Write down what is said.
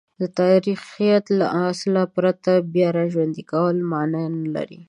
د تاریخیت له اصله پرته بیاراژوندی کول مانع نه لري.